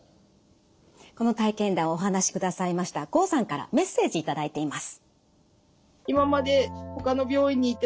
この体験談をお話しくださいました郷さんからメッセージ頂いています。